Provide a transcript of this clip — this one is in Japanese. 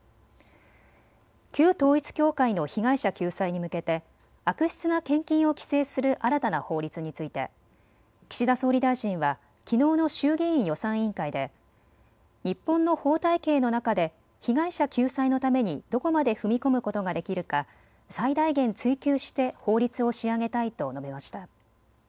旧統一教会の被害者救済に向けて悪質な献金を規制する新たな法律について、岸田総理大臣はきのうの衆議院予算委員会で日本の法体系の中で被害者救済のためにどこまで踏み込むことができるか最大限追求して法律を仕上げたいと述べました。